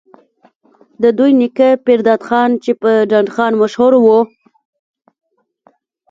د دوي نيکه پيرداد خان چې پۀ ډنډ خان مشهور وو،